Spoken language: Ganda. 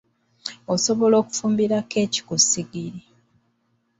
Osobola okufumbira kkeeki ku ssigiri.